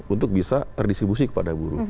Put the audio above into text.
untuk bisa terdistribusi kepada guru